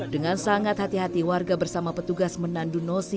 dengan sangat hati hati warga bersama petugas menandu nosi